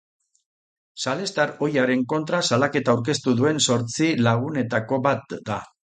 Salestar ohiaren kontra salaketa aurkeztu duen zortzi lagunetako bat da.